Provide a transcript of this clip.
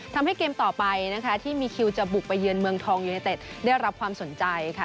ทำให้เกมต่อไปนะคะที่มีคิวจะบุกไปเยือนเมืองทองยูเนเต็ดได้รับความสนใจค่ะ